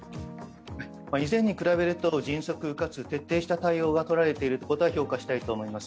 以前に比べると迅速かつ徹底した対応がとられていることは評価したいと思います